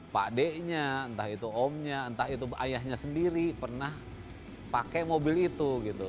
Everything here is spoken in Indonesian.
pak d nya entah itu om nya entah itu ayahnya sendiri pernah pakai mobil itu gitu